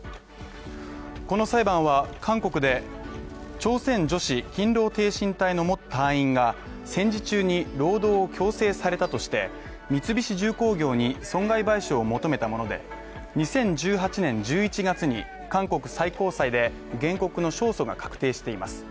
この裁判は、韓国で朝鮮女子勤労挺身隊の元隊員が戦時中に労働を強制されたとして、三菱重工業に損害賠償を求めたもので、２０１８年１１月に韓国最高裁で原告の勝訴が確定しています。